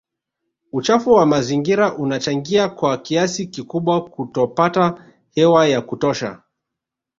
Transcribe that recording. Uchafuzi wa mazingira unachangia kwa kiasi kikubwa kutopata hewa ya kutosha